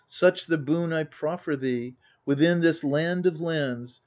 Such the boon I proffer thee — within this land of lands.